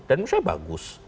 dan misalnya bagus